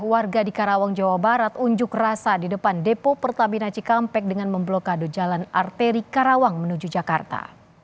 warga di karawang jawa barat unjuk rasa di depan depo pertamina cikampek dengan memblokade jalan arteri karawang menuju jakarta